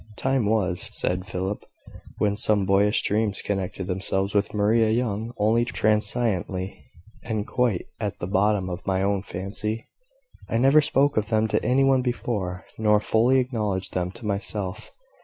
"Time was," said Philip, "when some boyish dreams connected themselves with Maria Young only transiently, and quite at the bottom of my own fancy. I never spoke of them to any one before, nor fully acknowledged them to myself.